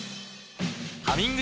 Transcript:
「ハミング」